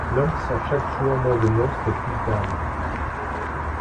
L’homme sent chaque jour moins de monstre et plus d’âme.